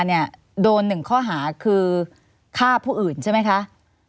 เนี่ยโดนหนึ่งข้อหาคือฆ่าผู้อื่นใช่ไหมคะ